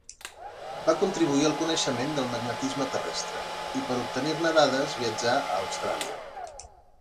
Va contribuir al coneixement del magnetisme terrestre i per obtenir-ne dades viatjà a Austràlia.